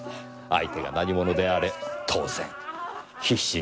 相手が何者であれ当然必死になる。